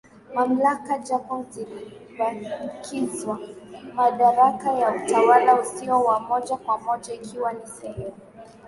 mamlaka japo zilibakiziwa madaraka ya utawala usio wa moja kwa moja ikiwa ni sehemu